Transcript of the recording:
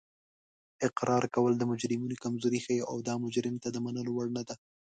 اقرار کول د مجرمینو کمزوري ښیي او دا مجرم ته د منلو نه ده